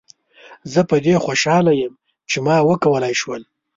زه په دې خوشحاله یم چې ما وکولای شول.